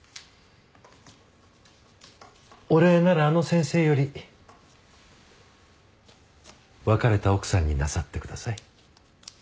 お礼ならあの先生より別れた奥さんになさってください。